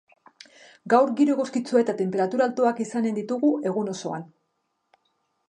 Gaur giro eguzkitsua eta tenperatura altuak izanen ditugu egun osoan.